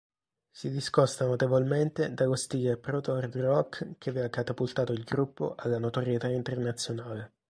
Si discosta notevolmente dallo stile proto-hard-rock che aveva catapultato il gruppo alla notorietà internazionale.